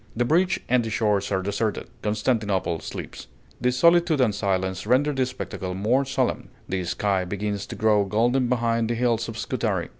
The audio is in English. The bridge and the shores are deserted, Constantinople sleeps; the solitude and silence render the spectacle more solemn. The sky begins to grow golden behind the hills of Scutari.